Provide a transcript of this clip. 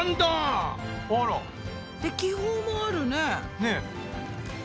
気泡もあるね。